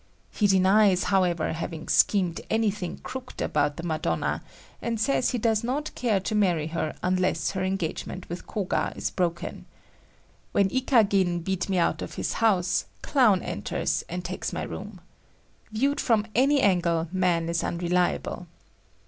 He denies, however, having schemed anything crooked about the Madonna, and says he does not care to marry her unless her engagement with Koga is broken. When Ikagin beat me out of his house, Clown enters and takes my room. Viewed from any angle, man is unreliable.